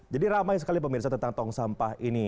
jadi ramai sekali pemirsa tentang tong sampah ini